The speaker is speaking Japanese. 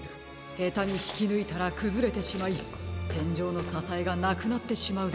へたにひきぬいたらくずれてしまいてんじょうのささえがなくなってしまうでしょう。